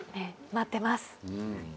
待ってます。